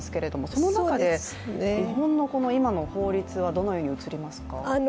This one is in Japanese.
その中で日本の今の法律はどのように映りますか。